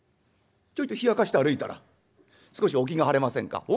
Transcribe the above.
ちょいとひやかして歩いたら少しお気が晴れませんか？」。